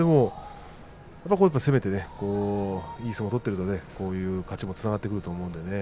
よく攻めていい相撲を取っているのでこういう勝ちにもつながっていると思います。